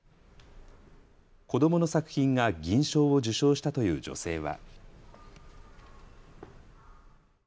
子どもの作品が銀賞を受賞したという女性は。